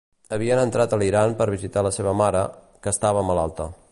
Havia entrat a l'Iran per visitar la seva mare, que estava malalta.